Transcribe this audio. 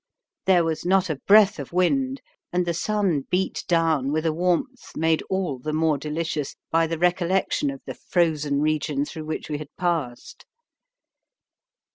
There was not a breath of wind, and the sun beat down with a warmth made all the more delicious by the recollection of the frozen region through which we had passed.